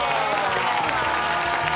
お願いしまーす。